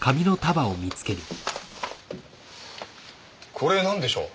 これなんでしょう？